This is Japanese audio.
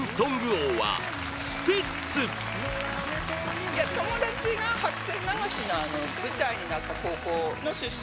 女性：友達が「白線流し」の舞台になった高校の出身で。